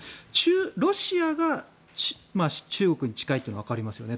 ロシアが中国に近いというのはわかりますよねと。